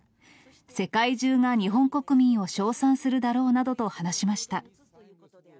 世界中が日本国民を称賛するだろうなどと話しました。